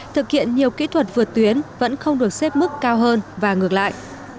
thực hiện nhiều kỹ thuật vượt tuyến vẫn không được xếp mức cao hơn và ngược lại